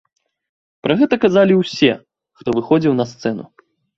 Пра гэта казалі ўсе, хто выходзіў на сцэну.